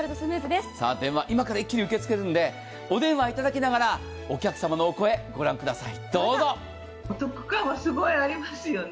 電話、今から一気に受け付けるのでお電話をいただきながらお客様のお声、御覧ください。